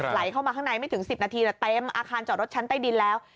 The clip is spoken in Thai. ไหลเข้ามาข้างในไม่ถึง๑๐นาทีเต็มอาคารจอดรถชั้นใต้ดินแล้ว